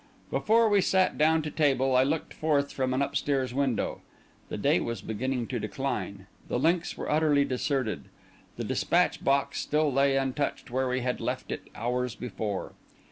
Before we sat down to table, I looked forth from an upstairs window. The day was beginning to decline; the links were utterly deserted; the despatch box still lay untouched where we had left it hours before.